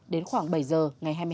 đến khoảng bảy h ngày hai mươi hai h